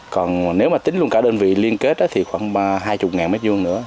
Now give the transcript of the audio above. còn nếu mà tính luôn cả đơn vị liên kết thì khoảng hai mươi ngàn mét vuông nữa